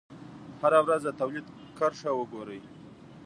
هره ورځ د تولید کرښه وګورئ.